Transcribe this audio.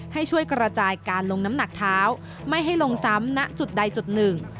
ให้ช่วยกระจายการลงน้ำหนักเท้าไม่ให้ลงซ้ำณจุดใดจุดหนึ่ง